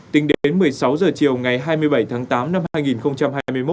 tính đến một mươi sáu h chiều ngày hai mươi bảy tháng tám năm hai nghìn hai mươi một